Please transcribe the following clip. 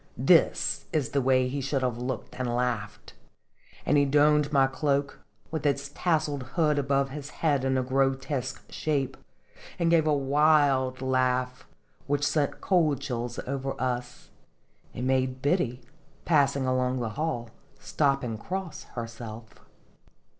This is the way he should have looked and laughed" and he donned my cloak, with its tasseled hood above his head in grotesque shape, and gave a wild laugh, which sent cold chills over us, and made Biddy, passing along the hall, stop and cross herself.